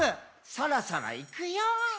「そろそろいくよー」